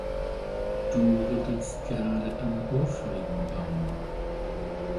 Du rüttelst gerade am Ohrfeigenbaum.